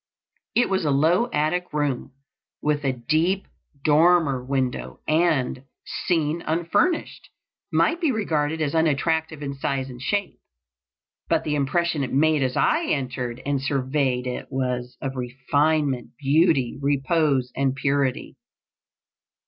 It was a low attic room with a deep dormer window, and, seen unfurnished, might be regarded as unattractive in size and shape. But the impression it made as I entered and surveyed it was of refinement, beauty, repose, and purity.